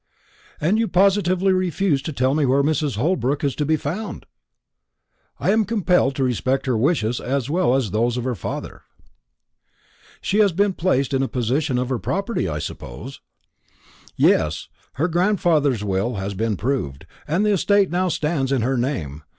"And you positively refuse to tell me where Mrs. Holbrook is to be found?" "I am compelled to respect her wishes as well as those of her father." "She has been placed in possession of her property, I suppose?" "Yes; her grandfather's will has been proved, and the estate now stands in her name.